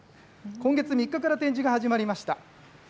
今月３日から展示が始まりました。